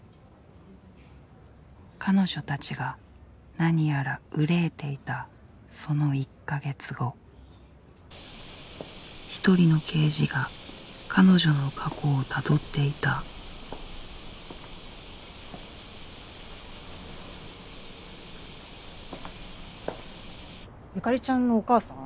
彼女たちが何やら憂いていたその１か月後１人の刑事が彼女の過去を辿っていた由香里ちゃんのお母さん？